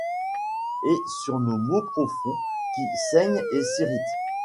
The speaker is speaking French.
Et sur nos maux profonds qui saignent et s'irritent